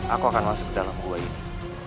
aku akan masuk ke dalam gua ini